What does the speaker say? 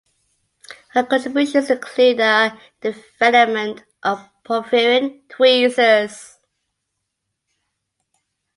Her contributions include the development of porphyrin tweezers.